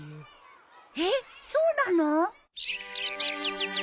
えっそうなの？